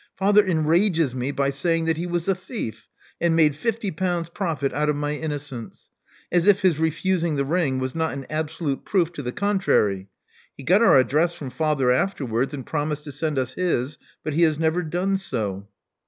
Father enrages me by saying that he was a thief, and made fifty pounds profit out of my inno cence. As if his refusing the ring was not an abso lute proof to the contrary. He got our address from father afterwards, and promised to send us his; but he has never done so."